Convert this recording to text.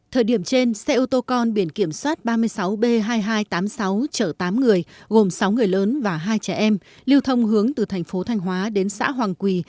thời điểm trên xe ô tô con biển kiểm soát ba mươi sáu b hai nghìn hai trăm tám mươi sáu chở tám người gồm sáu người lớn và hai trẻ em lưu thông hướng từ thành phố thanh hóa đến xã hoàng quỳ